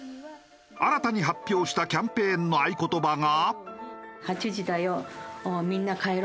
新たに発表したキャンペーンの合言葉が。